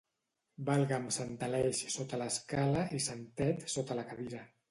Valga'm sant Aleix sota l'escala i sant Tet sota la cadira.